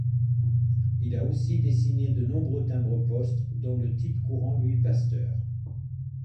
Il a aussi dessiné de nombreux timbres-poste dont le type courant Louis Pasteur.